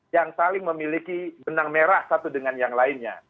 yang saling memiliki benang merah satu dengan yang lainnya